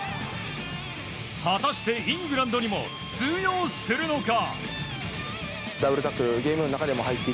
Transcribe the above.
果たして、イングランドにも通用するのか。